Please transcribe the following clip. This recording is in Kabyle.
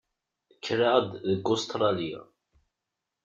Kkreɣ-d deg Ustṛalya.